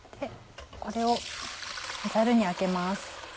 これをザルにあけます。